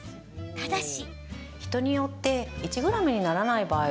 ただし。